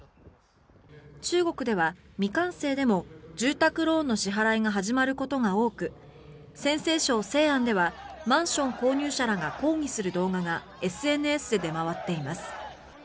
中国では未完成でも住宅ローンの支払いが始まることが多く陝西省西安ではマンション購入者らが抗議する動画がＳＮＳで出回っています。